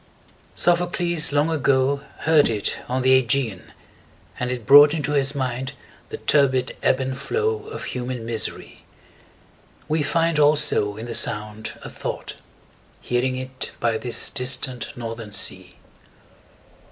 Sophocles° long ago °15 Heard it on the Ægæan,° and it brought °16 Into his mind the turbid ebb and flow Of human misery; we Find also in the sound a thought, Hearing it by this distant northern sea.